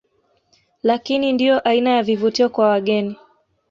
Lakini ndiyo aina ya vivutio kwa wageni